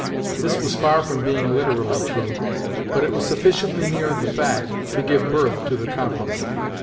This was far from being literally true, but it was sufficiently near the fact to give birth to the compliment.